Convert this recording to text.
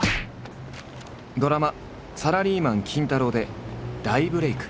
ドラマ「サラリーマン金太郎」で大ブレーク。